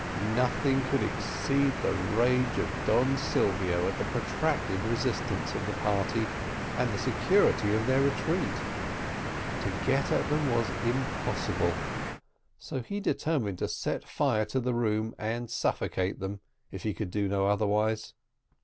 Nothing could exceed the rage of Don Silvio at the protracted resistance of the party, and the security of their retreat. To get at them was impossible, so he determined to set fire to the room, and suffocate them, if he could do no otherwise.